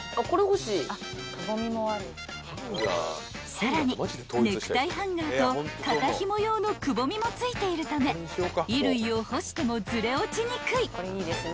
［さらにネクタイハンガーと肩ひも用のくぼみも付いているため衣類を干してもずれ落ちにくい］